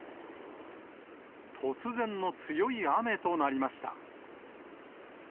突然の強い雨となりました。